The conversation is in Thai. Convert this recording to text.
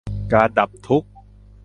การดับทุกข์